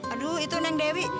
aduh itu neng dewi